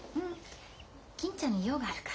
銀ちゃんに用があるから。